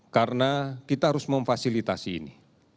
karena kita harus memfasilitasi ini